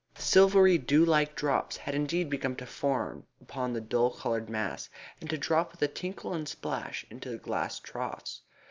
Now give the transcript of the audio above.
Silvery dew like drops had indeed begun to form upon the dull coloured mass, and to drop with a tinkle and splash into the glass troughs.